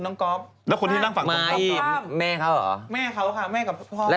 พ่อทำผู้หญิงกันเลยเหรอ